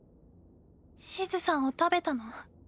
シズさんを食べたの？